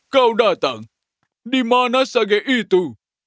kau datang di mana sage itu